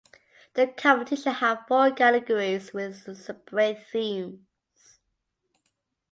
The competition had four categories with separate themes.